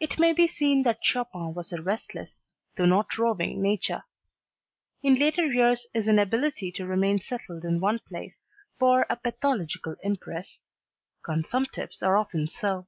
It may be seen that Chopin was a restless, though not roving nature. In later years his inability to remain settled in one place bore a pathological impress, consumptives are often so.